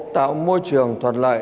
tạo môi trường thuận lợi